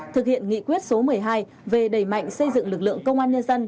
thực hiện nghị quyết số một mươi hai về đẩy mạnh xây dựng lực lượng công an nhân dân